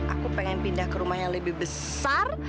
aku pengen pindah ke rumah yang lebih besar